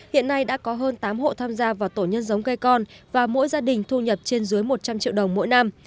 hiện nay đã có hơn tám hộ tham gia vào tổ nhân giống cây con và mỗi gia đình thu nhập trên dưới một trăm linh triệu đồng mỗi năm